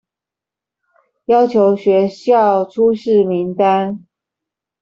要求學校出示名單